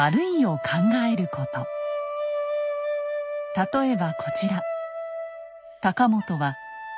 例えばこちら。